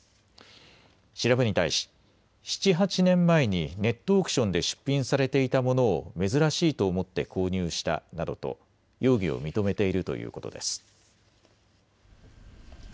調べに対し、７、８年前にネットオークションで出品されていたものを珍しいと思って購入したなどと容疑を認めているということです。